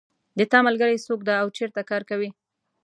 د تا ملګری څوک ده او چېرته کار کوي